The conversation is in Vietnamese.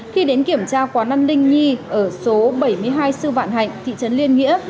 khi đến kiểm tra quán ăn linh nhi ở số bảy mươi hai sư vạn hạnh thị trấn liên nghĩa